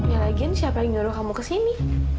ya lagiin siapa yang nyuruh kamu ke sini